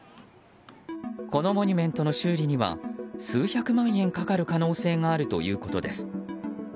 このモニュメントの修理には数百万円かかる可能性があるということです。